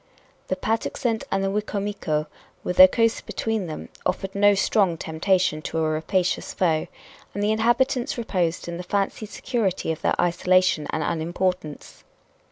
The Patuxent and the Wicomico, with the coast between them, offered no strong temptation to a rapacious foe, and the inhabitants reposed in the fancied security of their isolation and unimportance.